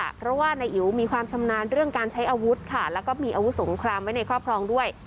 เพราะว่านายอิ๋วมีความชำนาญเรื่องการใช้อาวุธค่ะแล้วก็มีอาวุธสงครามไว้ในครอบครองด้วย